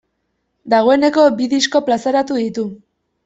Dagoeneko bi disko plazaratu ditu.